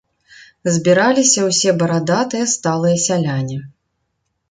Збіраліся ўсе барадатыя сталыя сяляне.